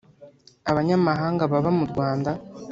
abanyamahanga baba mu Rwanda